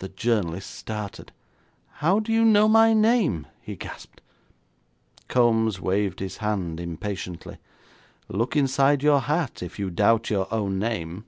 The journalist started. 'How do you know my name?' he gasped. Kombs waved his hand impatiently. 'Look inside your hat if you doubt your own name.'